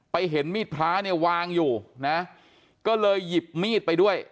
เห็นมีดพระเนี่ยวางอยู่นะก็เลยหยิบมีดไปด้วย